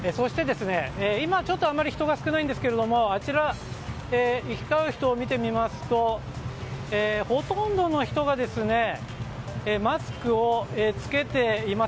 今ちょっとあまり人が少ないんですがあちら行き交う人を見てみますとほとんどの人がマスクを着けています。